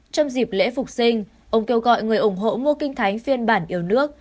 trong dịp lễ phục sinh ông kêu gọi người ủng hộ ngô kinh thánh phiên bản yêu nước